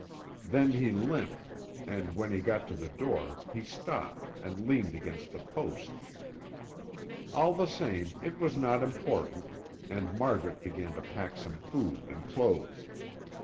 Then he limped, and when he got to the door he stopped and leaned against the post. All the same, it was not important and Margaret began to pack some food and clothes.